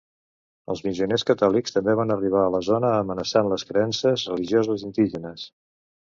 Els missioners catòlics també van arribar a la zona, amenaçant les creences religioses indígenes.